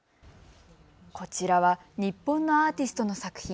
こちらは日本のアーティストの作品。